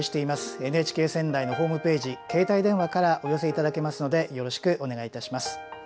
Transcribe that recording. ＮＨＫ仙台のホームページ携帯電話からお寄せいただけますのでよろしくお願いいたします。